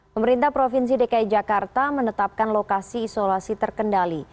pemerintah provinsi dki jakarta menetapkan lokasi isolasi terkendali